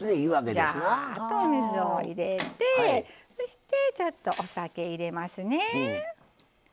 ジャーッとお水を入れてそしてちょっとお酒入れますね。